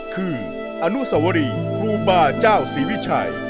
คืออนุสวรีครูบาเจ้าศรีวิชัย